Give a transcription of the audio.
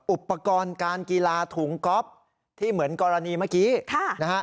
อุปกรณ์การกีฬาถุงก๊อฟที่เหมือนกรณีเมื่อกี้นะฮะ